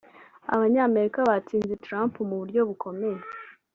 Abanyamerika batsinze Trump mu buryo bukomeye